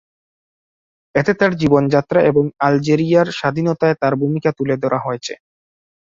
এতে তার জীবনযাত্রা এবং আলজেরিয়ার স্বাধীনতায় তার ভূমিকা তুলে ধরা হয়েছে।